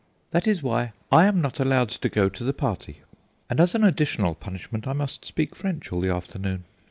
That is why I am not allowed to go to the party, and as an additional punishment I must speak French all the afternoon.